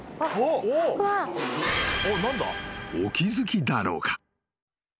［お気付きだろうか？］